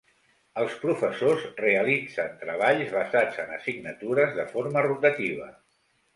Els professors realitzen treballs basats en assignatures de forma rotativa.